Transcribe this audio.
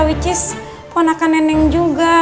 which is ponakan neneng juga